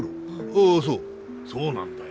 ああそうそうなんだよ。